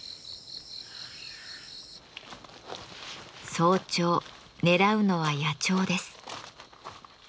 早朝ねらうのは野鳥です。